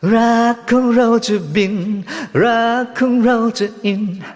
รักของเราจะบินรักของเราจะอิน